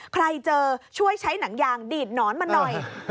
ใครเจอช่วยใช้หนังยางดีดหนอนมาหน่อย